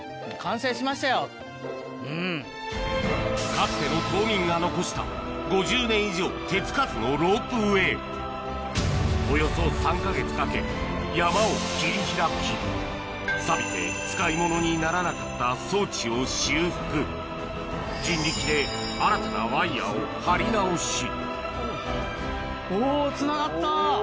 かつての島民が残したおよそ３か月かけ山を切り開き錆びて使い物にならなかった装置を修復人力で新たなワイヤを張り直しおぉつながった。